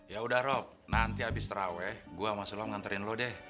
ya udah rob nanti abis terawih gue sama sulaw nganterin lo deh